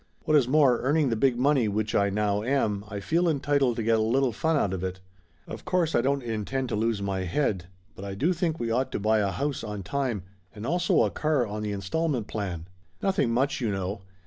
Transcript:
What is more, earning the big money which I now am, I feel entitled to get a little fun out of it. Of course I don't intend to lose my head, but I do think we ought to buy a house on time, and also a car on the installment plan. Nothing much, you know.